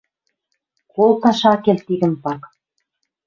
Колташ ак кел тидӹм пак.